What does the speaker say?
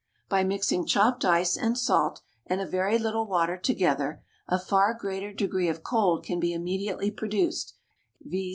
By mixing chopped ice and salt and a very little water together, a far greater degree of cold can be immediately produced, viz.